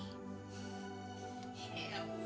ya udah terserah